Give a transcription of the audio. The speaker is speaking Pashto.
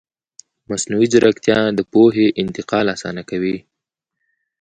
مصنوعي ځیرکتیا د پوهې انتقال اسانه کوي.